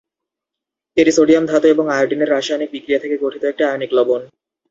এটি সোডিয়াম ধাতু এবং আয়োডিনের রাসায়নিক বিক্রিয়া থেকে গঠিত একটি আয়নিক লবণ।